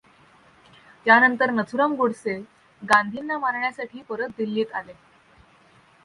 त्यानंतर नथुराम गोडसे गांधींना मारण्यासाठी परत दिल्लीत आले.